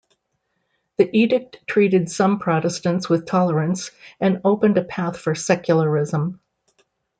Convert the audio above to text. The Edict treated some Protestants with tolerance and opened a path for secularism.